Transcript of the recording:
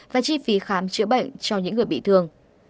và chi phí khám chữa bệnh cho những người bị thương